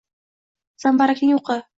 zambarakning_oqi